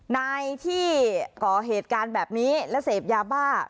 นายที่ก่อเหตุการณ์แบบนี้และเสพยาบ้า